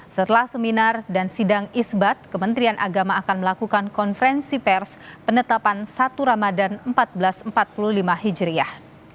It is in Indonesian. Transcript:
setelah seminar dan sidang isbat kementerian agama akan melakukan konferensi pers penetapan satu ramadhan seribu empat ratus empat puluh lima hijriah